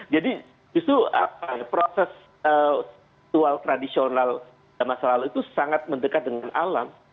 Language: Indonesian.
jadi justru proses situal tradisional dan masyarakat itu sangat mendekat dengan alam